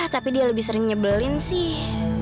tapi dia lebih sering nyebelin sih